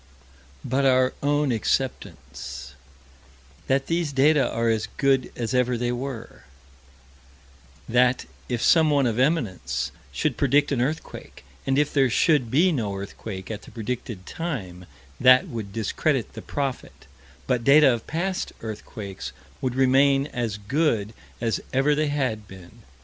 But our own acceptance: That these data are as good as ever they were; That, if someone of eminence should predict an earthquake, and if there should be no earthquake at the predicted time, that would discredit the prophet, but data of past earthquakes would remain as good as ever they had been.